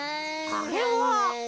あれは。